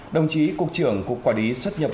đồng chí cục trưởng cục quả lý xuất nhập